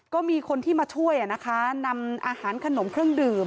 ก็มีคนที่มาช่วยนะคะนำอาหารขนมเครื่องดื่ม